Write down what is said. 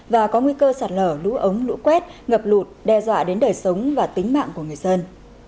và có nguy cơ sạt lở lũ ống lũ quét ngập lụt đe dọa đến đời sống và tính mạng của người dân